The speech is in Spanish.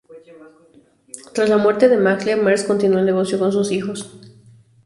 Tras la muerte de Mahler, Merz continuó el negocio con sus hijos.